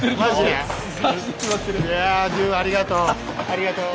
ありがとう。